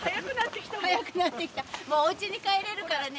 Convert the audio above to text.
もうおうちに帰れるからね。